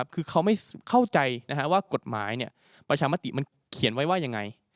คือเขาไม่เข้าใจว่ากฎหมายประชามติมันเขียนไว้ว่ายังไง